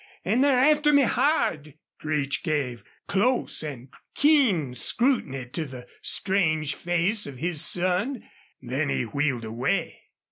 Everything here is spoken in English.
An' they're after me hard!" Creech gave close and keen scrutiny to the strange face of his son. Then he wheeled away.